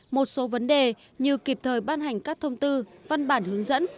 một số vấn đề như kịp thời ban hành các thông tư văn bản hướng dẫn